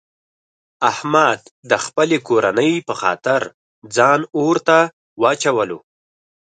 احمد د خپلې کورنۍ په خاطر ځان اورته واچولو.